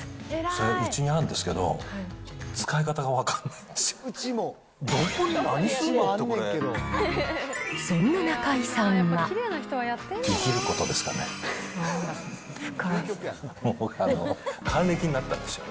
それ、うちにあるんですけど、使い方が分かんないんですよ。